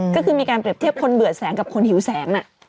ก็คือมีการเปรียบเทียบคนเบื่อแสงกับคนหิวแสง